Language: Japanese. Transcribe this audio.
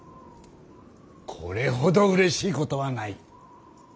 これほどうれしいことはない。